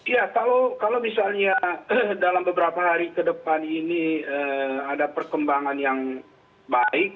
ya kalau misalnya dalam beberapa hari ke depan ini ada perkembangan yang baik